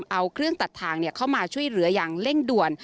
เอาเครื่องตัดทางเข้ามาช่วยเหลืออย่างเร่งด่วน